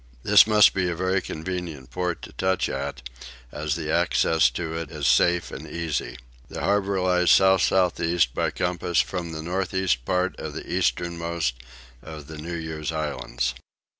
This must be a very convenient port to touch at as the access to it is safe and easy. The harbour lies south south east by compass from the north east part of the easternmost of the New Year's Islands.